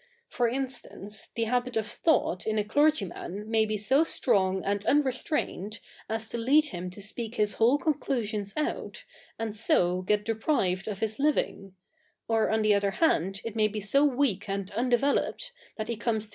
For I20 THE NEW REPUBLIC [uk. hi ifista?ice, the habit of thought in a clergyman may be so strong and unrestrained as to lead him to speak his whole conclusions out, and so get deprived of his living ; or oji the other hand it may be so weak and undeveloped^ that he comes to